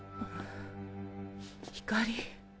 光。